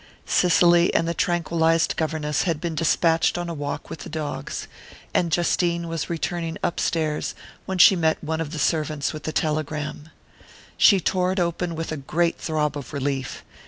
Cicely and the tranquillized governess had been despatched on a walk with the dogs, and Justine was returning upstairs when she met one of the servants with a telegram. She tore it open with a great throb of relief.